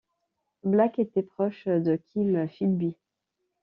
Blake était proche de Kim Philby.